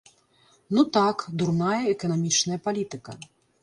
Ну так, дурная эканамічная палітыка.